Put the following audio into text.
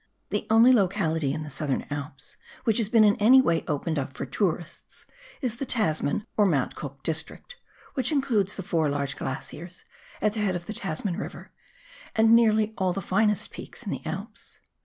The only locality in the Southern Alps which has been in any way opened up for tourists is the Tasman or Mount Cook district, which includes the four large glaciers at the head of the Tasman River and nearly all the finest peaks in the Alps.